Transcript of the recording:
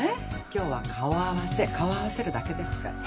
今日は顔合わせ顔合わせるだけですから。